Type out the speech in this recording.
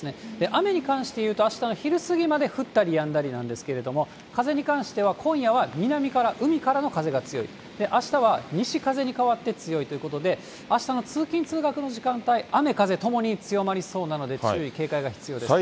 雨に関して言うと、あしたの昼過ぎまで降ったりやんだりなんですけれども、風に関しては、今夜は南から、海からの風が強い、あしたは西風に変わって強いということで、あしたの通勤・通学の時間帯、雨、風ともに強まりそうなので、注意、警戒が必要です。